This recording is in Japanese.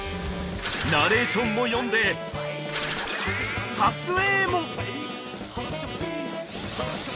ナレーションも読んで撮影も！